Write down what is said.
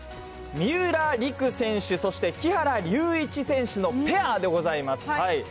三浦璃来選手、そして木原龍一選手のペアでございます。